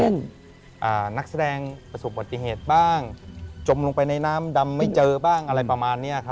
นักแสดงประสบปฏิเหตุบ้างจมลงไปในน้ำดำไม่เจอบ้างอะไรประมาณนี้ครับ